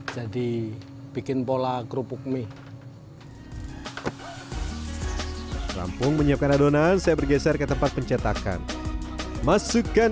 jadi bikin bola kerupuk mie kampung menyiapkan adonan saya bergeser ke tempat pencetakan masukkan